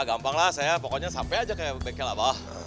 gampang lah saya pokoknya sampai aja kayak bekel apa